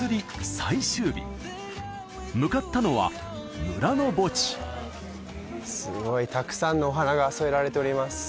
最終日向かったのは村の墓地すごいたくさんのお花が添えられております